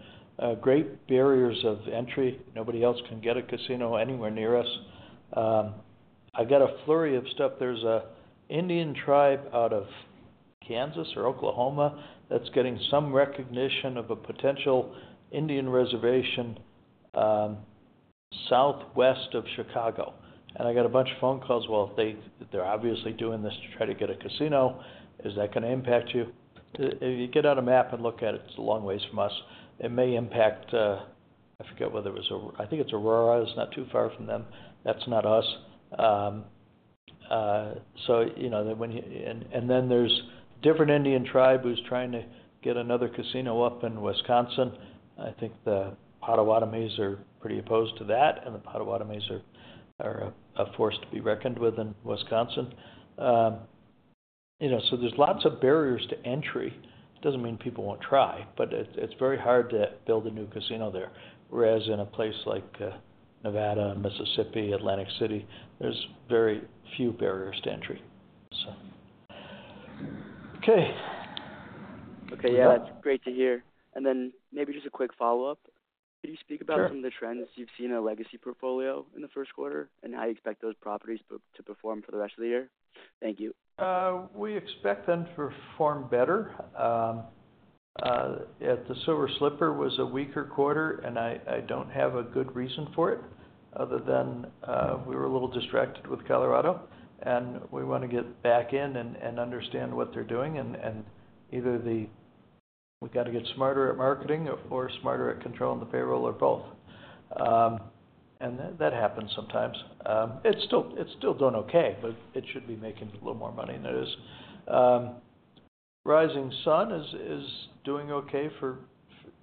great barriers of entry. Nobody else can get a casino anywhere near us. I've got a flurry of stuff. There's a Indian tribe out of Kansas or Oklahoma that's getting some recognition of a potential Indian reservation, southwest of Chicago. And I got a bunch of phone calls. Well, they're obviously doing this to try to get a casino. Is that gonna impact you? If you get out a map and look at it, it's a long ways from us. It may impact, I forget whether it was Aurora. I think it's Aurora. It's not too far from them. That's not us. So, you know, then when you... And then there's different Indian tribe who's trying to get another casino up in Wisconsin. I think the Potawatomis are pretty opposed to that, and the Potawatomis are a force to be reckoned with in Wisconsin. You know, so there's lots of barriers to entry. It doesn't mean people won't try, but it's very hard to build a new casino there. Whereas in a place like Nevada, Mississippi, Atlantic City, there's very few barriers to entry. So. Okay. Okay. Yeah, that's great to hear. And then maybe just a quick follow-up. Sure. Could you speak about some of the trends you've seen in our legacy portfolio in the Q1, and how you expect those properties to perform for the rest of the year? Thank you. We expect them to perform better. At the Silver Slipper was a weaker quarter, and I don't have a good reason for it other than we were a little distracted with Colorado, and we want to get back in and understand what they're doing and either we've got to get smarter at marketing or smarter at controlling the payroll or both. And that happens sometimes. It's still doing okay, but it should be making a little more money than it is. Rising Star is doing okay for...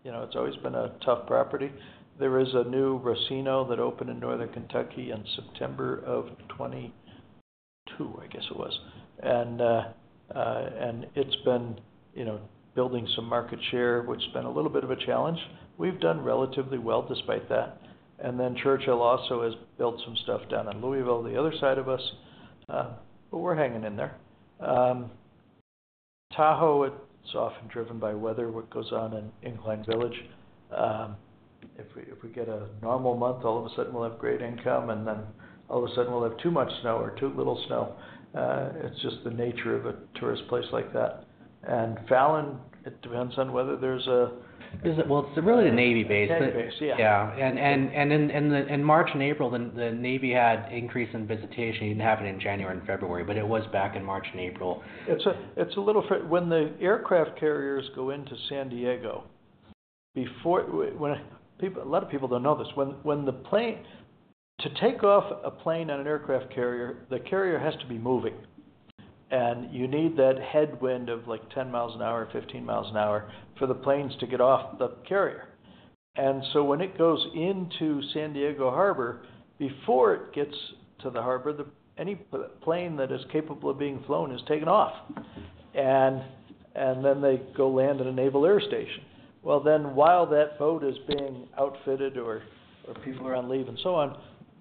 You know, it's always been a tough property. There is a new racino that opened in Northern Kentucky in September of 2022, I guess it was. And it's been, you know, building some market share, which has been a little bit of a challenge. We've done relatively well despite that. And then Churchill also has built some stuff down in Louisville, the other side of us, but we're hanging in there. Tahoe, it's often driven by weather, what goes on in Incline Village. If we get a normal month, all of a sudden we'll have great income, and then all of a sudden we'll have too much snow or too little snow. It's just the nature of a tourist place like that. And Fallon, it depends on whether there's a- Is it? Well, it's really a Navy base. Navy base, yeah. Yeah. And in March and April, the Navy had increase in visitation. It didn't happen in January and February, but it was back in March and April. A lot of people don't know this. To take off a plane on an aircraft carrier, the carrier has to be moving, and you need that headwind of, like, 10 miles an hour, 15 miles an hour for the planes to get off the carrier. And so when it goes into San Diego Harbor, before it gets to the harbor, any plane that is capable of being flown is taken off, and then they go land at a naval air station. Well, then while that boat is being outfitted or people are on leave and so on,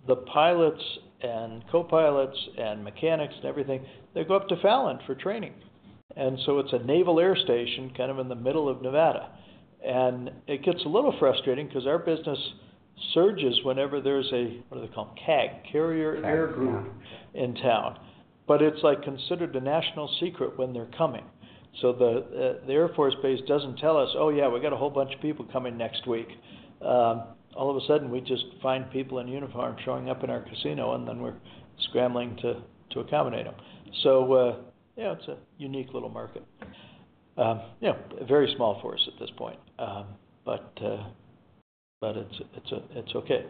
the pilots and copilots and mechanics and everything, they go up to Fallon for training. So it's a naval air station, kind of in the middle of Nevada. It gets a little frustrating because our business surges whenever there's a, what do they call? CAG, carrier air group- CAG, yeah... in town. But it's, like, considered a national secret when they're coming. So the, the Air Force base doesn't tell us, "Oh, yeah, we got a whole bunch of people coming next week." All of a sudden, we just find people in uniform showing up in our casino, and then we're scrambling to accommodate them. So, yeah, it's a unique little market. Yeah, very small for us at this point, but it's okay.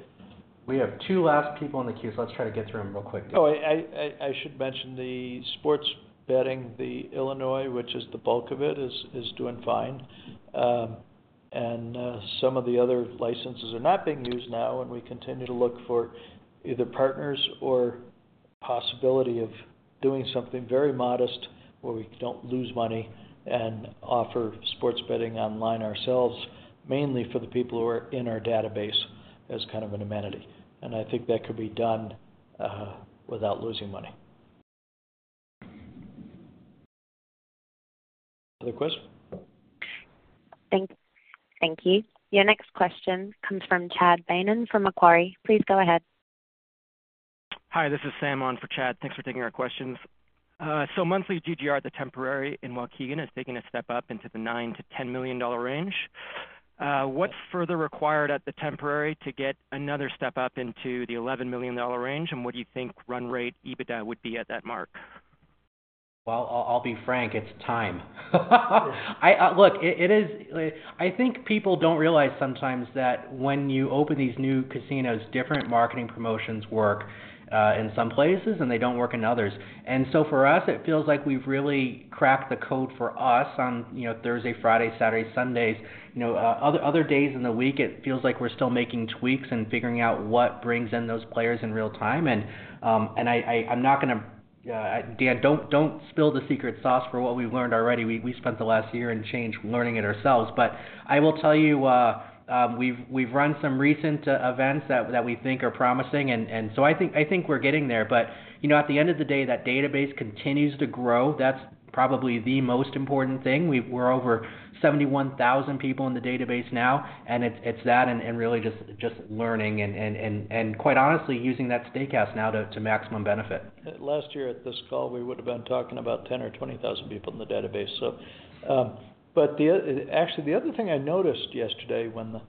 ...We have two last people in the queue, so let's try to get through them real quick. Oh, I should mention the sports betting, the Illinois, which is the bulk of it, is doing fine. And some of the other licenses are not being used now, and we continue to look for either partners or possibility of doing something very modest, where we don't lose money and offer sports betting online ourselves, mainly for the people who are in our database, as kind of an amenity. And I think that could be done without losing money. Other questions? Thank you. Your next question comes from Chad Beynon from Macquarie. Please go ahead. Hi, this is Sam on for Chad. Thanks for taking our questions. So monthly GGR at the temporary in Waukegan is taking a step up into the $9 million-$10 million range. What's further required at the temporary to get another step up into the $11 million range? And what do you think run rate EBITDA would be at that mark? Well, I'll be frank, it's time. Look, it is. I think people don't realize sometimes that when you open these new casinos, different marketing promotions work in some places, and they don't work in others. And so for us, it feels like we've really cracked the code for us on, you know, Thursday, Friday, Saturday, Sundays. You know, other days in the week, it feels like we're still making tweaks and figuring out what brings in those players in real time. And I'm not gonna, Dan, don't spill the secret sauce for what we've learned already. We spent the last year and change learning it ourselves. But I will tell you, we've run some recent events that we think are promising, and so I think we're getting there. But, you know, at the end of the day, that database continues to grow. That's probably the most important thing. We're over 71,000 people in the database now, and it's that and really just learning and, quite honestly, using that Steakhouse now to maximum benefit. Last year at this call, we would've been talking about 10 or 20,000 people in the database. So, actually, the other thing I noticed yesterday when the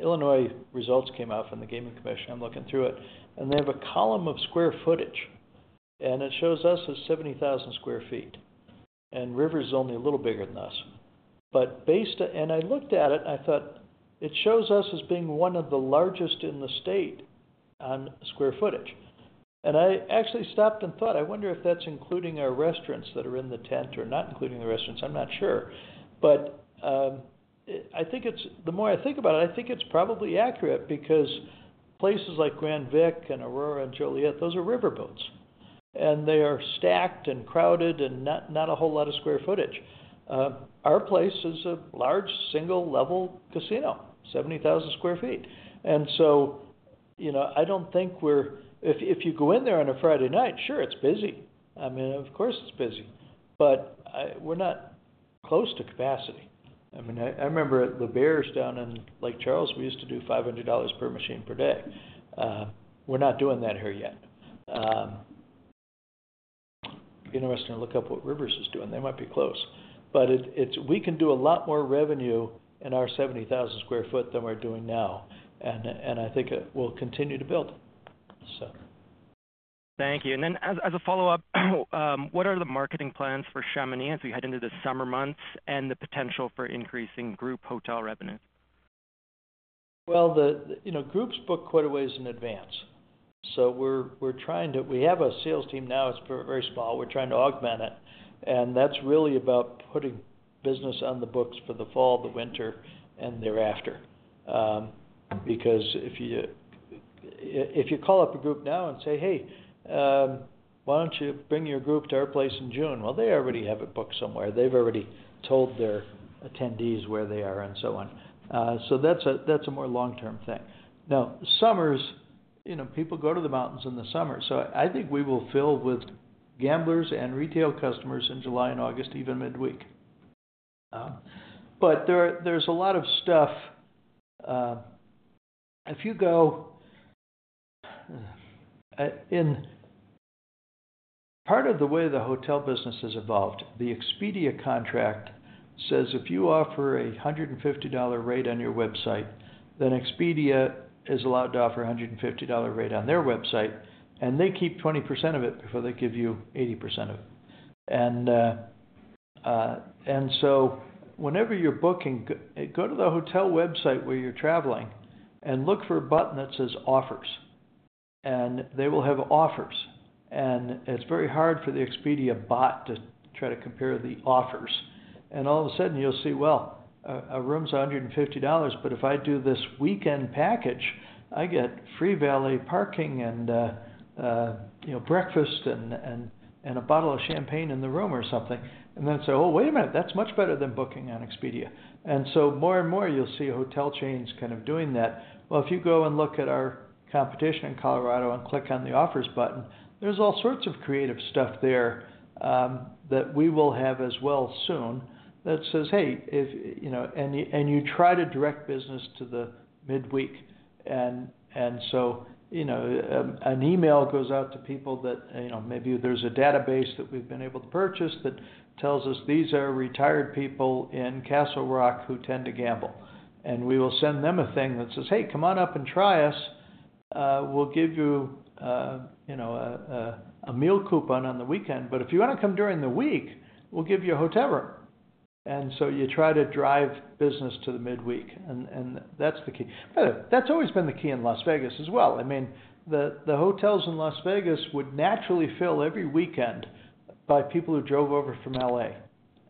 Illinois results came out from the Gaming Commission, I'm looking through it, and they have a column of square footage, and it shows us as 70,000 sq ft, and Rivers is only a little bigger than us. And I looked at it, I thought, it shows us as being one of the largest in the state on square footage. And I actually stopped and thought, I wonder if that's including our restaurants that are in the tent or not including the restaurants? I'm not sure. But, the more I think about it, I think it's probably accurate because places like Grand Vic and Aurora and Joliet, those are riverboats, and they are stacked and crowded and not a whole lot of square footage. Our place is a large single-level casino, 70,000 sq ft. And so, you know, I don't think we're... If you go in there on a Friday night, sure, it's busy. I mean, of course, it's busy, but, we're not close to capacity. I mean, I remember at L'Auberge down in Lake Charles, we used to do $500 per machine per day. We're not doing that here yet. It'd be interesting to look up what Rivers is doing. They might be close. But it's. We can do a lot more revenue in our 70,000 sq ft than we're doing now, and I think it will continue to build, so. Thank you. As a follow-up, what are the marketing plans for Chamonix as we head into the summer months and the potential for increasing group hotel revenue? Well, you know, groups book quite a ways in advance. So we're trying to. We have a sales team now, it's very small. We're trying to augment it, and that's really about putting business on the books for the fall, the winter, and thereafter. Because if you call up a group now and say, "Hey, why don't you bring your group to our place in June?" Well, they already have it booked somewhere. They've already told their attendees where they are and so on. So that's a more long-term thing. Now, summers, you know, people go to the mountains in the summer, so I think we will fill with gamblers and retail customers in July and August, even midweek. But there, there's a lot of stuff, if you go, in... Part of the way the hotel business has evolved, the Expedia contract says, if you offer a $150 rate on your website, then Expedia is allowed to offer a $150 rate on their website, and they keep 20% of it before they give you 80% of it. And so whenever you're booking, go to the hotel website where you're traveling and look for a button that says Offers, and they will have offers. And it's very hard for the Expedia bot to try to compare the offers. And all of a sudden, you'll see, well, a room's $150, but if I do this weekend package, I get free valet parking and, you know, breakfast and a bottle of champagne in the room or something. And then say, "Oh, wait a minute, that's much better than booking on Expedia." And so more and more, you'll see hotel chains kind of doing that. Well, if you go and look at our competition in Colorado and click on the Offers button, there's all sorts of creative stuff there that we will have as well soon that says, "Hey, if," you know, and you, and you try to direct business to the midweek. And so, you know, an email goes out to people that, you know, maybe there's a database that we've been able to purchase that tells us these are retired people in Castle Rock who tend to gamble. We will send them a thing that says, "Hey, come on up and try us. We'll give you, you know, a meal coupon on the weekend, but if you want to come during the week, we'll give you a hotel room. And so you try to drive business to the midweek, and that's the key. By the way, that's always been the key in Las Vegas as well. I mean, the hotels in Las Vegas would naturally fill every weekend by people who drove over from L.A.,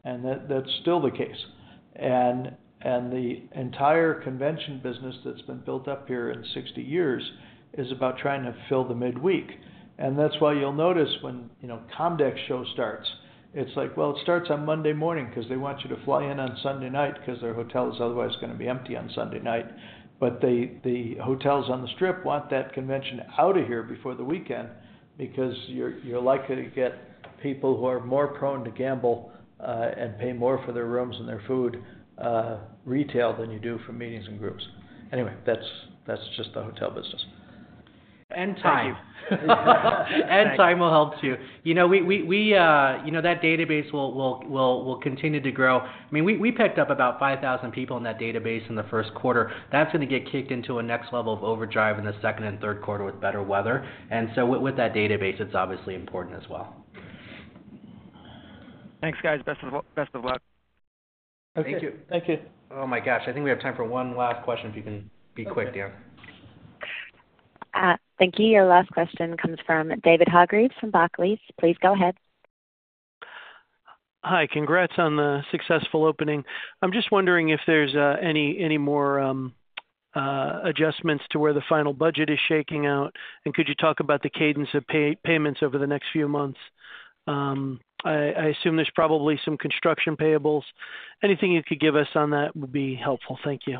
and that's still the case. And the entire convention business that's been built up here in 60 years is about trying to fill the midweek. And that's why you'll notice when, you know, COMDEX show starts, it's like, well, it starts on Monday morning 'cause they want you to fly in on Sunday night, 'cause their hotel is otherwise gonna be empty on Sunday night. The hotels on the strip want that convention out of here before the weekend, because you're likely to get people who are more prone to gamble and pay more for their rooms and their food, retail, than you do for meetings and groups. Anyway, that's just the hotel business. Time will help, too. You know, we, you know, that database will continue to grow. I mean, we picked up about 5,000 people in that database in the Q1. That's gonna get kicked into a next level of overdrive in the Q2 and Q3 with better weather. And so with that database, it's obviously important as well. Thanks, guys. Best of luck, best of luck. Thank you. Thank you. Oh, my gosh. I think we have time for one last question, if you can be quick, Dan. Thank you. Your last question comes from David Hargreaves from Barclays. Please go ahead. Hi, congrats on the successful opening. I'm just wondering if there's any more adjustments to where the final budget is shaking out. Could you talk about the cadence of payments over the next few months? I assume there's probably some construction payables. Anything you could give us on that would be helpful. Thank you.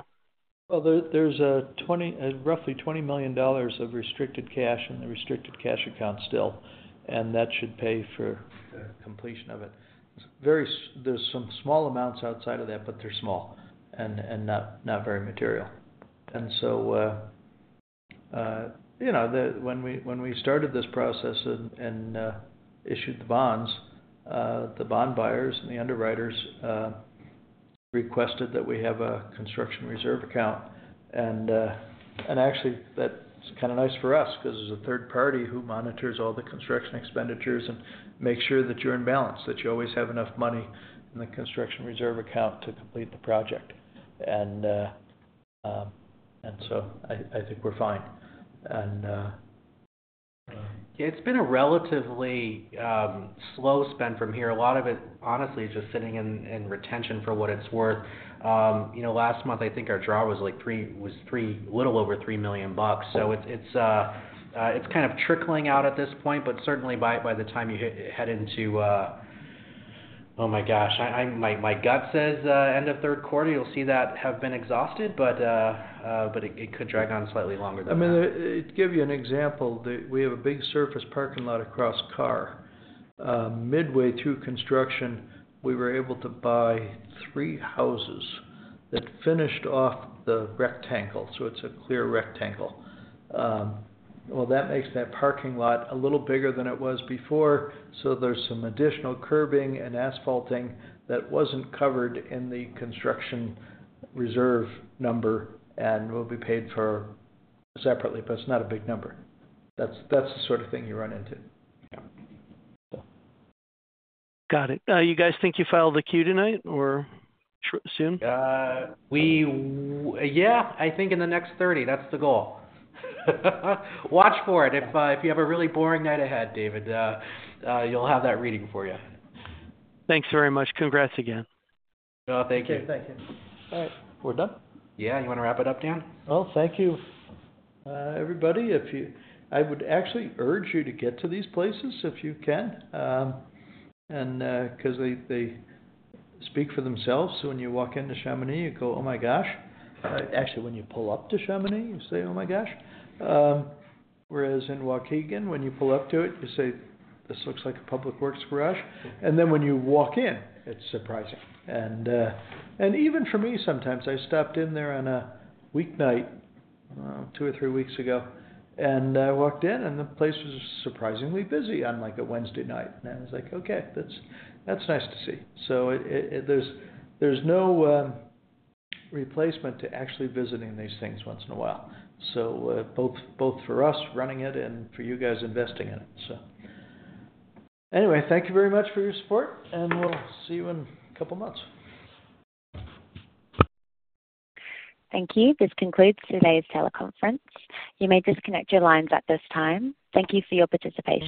Well, there's roughly $20 million of restricted cash in the restricted cash account still, and that should pay for the completion of it. It's very. There's some small amounts outside of that, but they're small and not very material. And so, you know, when we started this process and issued the bonds, the bond buyers and the underwriters requested that we have a construction reserve account. And actually, that's kind of nice for us because there's a third party who monitors all the construction expenditures and makes sure that you're in balance, that you always have enough money in the construction reserve account to complete the project. And so I think we're fine. And It's been a relatively slow spend from here. A lot of it, honestly, is just sitting in retention for what it's worth. You know, last month, I think our draw was like three, was three little over $3 million. So it's kind of trickling out at this point, but certainly by the time you hit head into. Oh, my gosh, I, my gut says end of third quarter, you'll see that have been exhausted, but it could drag on slightly longer than that. I mean, to give you an example, we have a big surface parking lot across Carr. Midway through construction, we were able to buy three houses that finished off the rectangle, so it's a clear rectangle. Well, that makes that parking lot a little bigger than it was before, so there's some additional curbing and asphalting that wasn't covered in the construction reserve number, and will be paid for separately, but it's not a big number. That's, that's the sort of thing you run into. Got it. You guys think you filed a Q tonight or soon? Yeah, I think in the next 30. That's the goal. Watch for it. If you have a really boring night ahead, David, you'll have that reading for you. Thanks very much. Congrats again. Oh, thank you. Thank you. All right, we're done? Yeah. You want to wrap it up, Dan? Well, thank you, everybody. If you, I would actually urge you to get to these places, if you can, and, 'cause they, they speak for themselves. When you walk into Chamonix, you go, "Oh, my gosh!" Actually, when you pull up to Chamonix, you say, "Oh, my gosh." Whereas in Waukegan, when you pull up to it, you say, "This looks like a public works garage." And then when you walk in, it's surprising. And, and even for me, sometimes, I stopped in there on a weeknight, two or three weeks ago, and I walked in, and the place was surprisingly busy on, like, a Wednesday night. And I was like, "Okay, that's, that's nice to see." So it, it, there's, there's no replacement to actually visiting these things once in a while. Both, both for us running it and for you guys investing in it, so... Anyway, thank you very much for your support, and we'll see you in a couple of months. Thank you. This concludes today's teleconference. You may disconnect your lines at this time. Thank you for your participation.